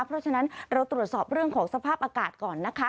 เพราะฉะนั้นเราตรวจสอบเรื่องของสภาพอากาศก่อนนะคะ